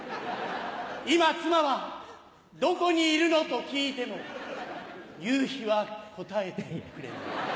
「今妻はどこにいるの？」と聞いても夕日は答えてくれない。